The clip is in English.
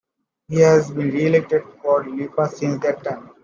He has been re-elected for Lepa since that time.